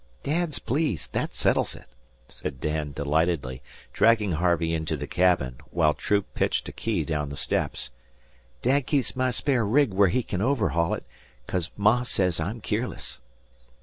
"Dad's pleased that settles it," said Dan, delightedly, dragging Harvey into the cabin, while Troop pitched a key down the steps. "Dad keeps my spare rig where he kin overhaul it, 'cause Ma sez I'm keerless."